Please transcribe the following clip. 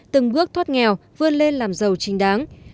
từng bước thoát nghèo vươn lên làm giàu chính đáng